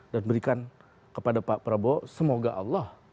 dan berikan kepada pak prabowo semoga allah